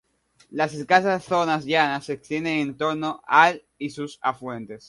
Las escasas zonas llanas se extienden en torno al y sus afluentes.